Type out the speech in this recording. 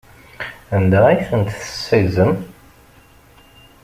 Anda ay ten-tessaggzem?